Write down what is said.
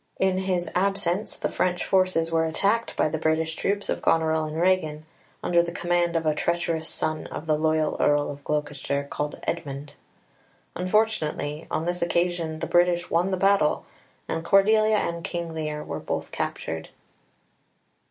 In his absence the French forces were attacked by the British troops of Goneril and Regan, under the command of a treacherous son of the loyal Earl of Gloucester, called Edmund. Unfortunately, on this occasion the British won the battle, and Cordelia and King Lear were both captured.